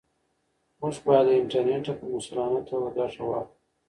موږ باید له انټرنیټه په مسؤلانه توګه ګټه واخلو.